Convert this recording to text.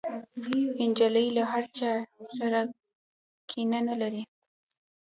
نجلۍ له چا سره کینه نه لري.